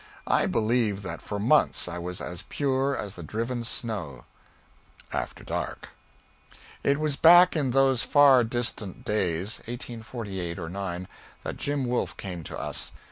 I believe that for months I was as pure as the driven snow. After dark. It was back in those far distant days 1848 or '9 that Jim Wolf came to us.